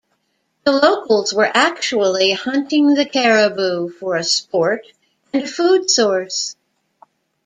The locals were actually hunting the caribou, for a sport and a food source.